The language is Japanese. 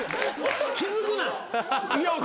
気付くな。